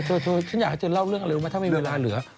เถอะฉันอยากให้เจอเล่าเรื่องอะไรดูมาถ้าไม่มีเวลาเหลือ